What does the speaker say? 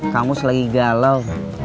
kamu selagi galau